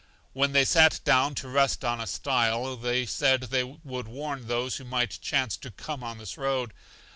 When they sat down to rest on a stile, they said they would warn those who might chance to come on this road.